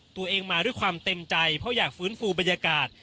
ตัวเองมาด้วยความเต็มใจเพราะอยากฟื้นฟูบรรยากาศ